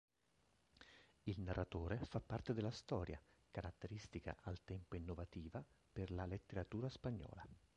Il narratore fa parte della storia, caratteristica al tempo innovativa per la letteratura spagnola.